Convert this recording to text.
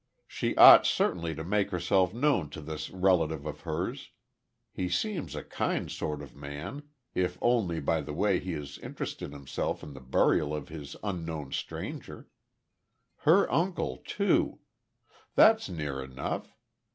She ought certainly to make herself known to this relative of hers he seems a kind sort of man if only by the way he has interested himself in the burial of this unknown stranger. Her uncle too. That's near enough.